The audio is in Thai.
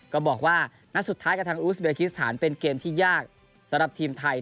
ก็บอกว่านัดสุดท้ายกับทางอูสเบคิสถานเป็นเกมที่ยากสำหรับทีมไทย